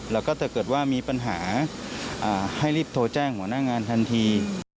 แล้วก็ถ้าเกิดว่ามีปัญหาให้รีบโทรแจ้งหัวหน้างานทันที